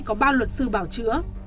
có ba luật sư bảo chữa